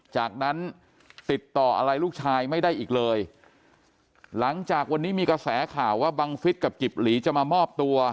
จากนั้นติดต่ออะไรลูกชายไม่ได้อีกเลยหลังจากวันนี้มีกระแสข่าวว่าบังฟิศกับกิบหลีจะมามอบตัว